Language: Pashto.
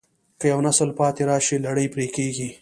که یو نسل پاتې راشي، لړۍ پرې کېږي.